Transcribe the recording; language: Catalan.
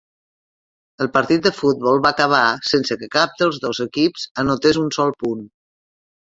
El partit de futbol va acabar sense que cap dels dos equips anotés un sol punt.